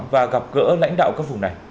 và gặp gỡ lãnh đạo các vùng này